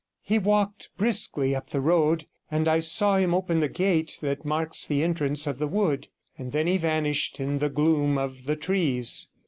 He walked briskly up the road, and I saw him open the gate that marks the entrance of the wood, and then he vanished in the gloom of the trees.